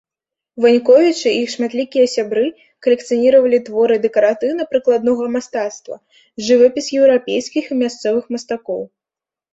Ваньковічы і іх шматлікія сябры калекцыяніравалі творы дэкаратыўна-прыкладнога мастацтва, жывапіс еўрапейскіх і мясцовых мастакоў.